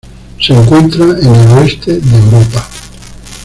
Se encuentra en el oeste de Europa.